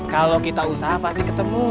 kalau kita usaha pasti ketemu